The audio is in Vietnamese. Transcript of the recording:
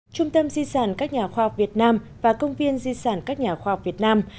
trung tâm di sản các nhà khoa học việt nam và công viên di sản các nhà khoa học việt nam